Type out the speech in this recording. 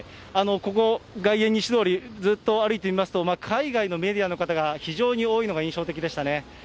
ここ、外苑西通り、ずっと歩いてみますと、海外のメディアの方が非常に多いのが印象的でしたね。